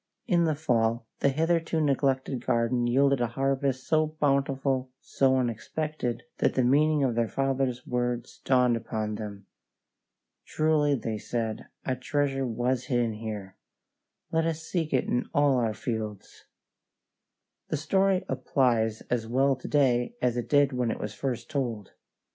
In the fall the hitherto neglected garden yielded a harvest so bountiful, so unexpected, that the meaning of their father's words dawned upon them. "Truly," they said, "a treasure was hidden there. Let us seek it in all our fields." The story applies as well to day as it did when it was first told.